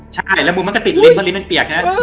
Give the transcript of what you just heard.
ใช่แล้วบุญมันก็ติดลิ้นเพราะลิ้นมันเปียกใช่ไหม